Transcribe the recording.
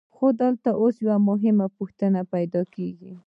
خو دلته اوس یوه مهمه پوښتنه پیدا کېږي